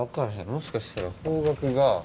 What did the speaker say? もしかしたら方角が。